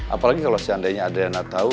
apalagi kalau seandainya ada yang enggak tahu